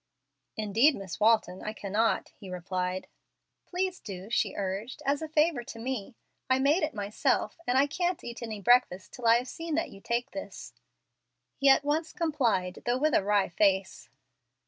"Indeed, Miss Walton, I cannot," he replied. "Please do," she urged, "as a favor to me. I made it myself; and I can't eat any breakfast till I have seen you take this." He at once complied, though with a wry face.